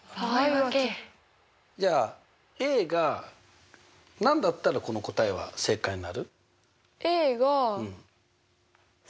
じゃあが何だったらこの答えは正解になる？